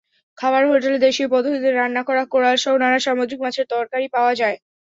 খাবার হোটেলে দেশীয় পদ্ধতিতে রান্না করা কোরালসহ নানা সামুদ্রিক মাছের তরকারি পাওয়া যায়।